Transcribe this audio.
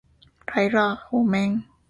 我们领袖毛泽东，指引着前进的方向。